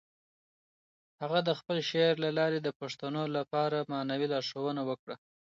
هغه د خپل شعر له لارې د پښتنو لپاره معنوي لارښوونه وکړه.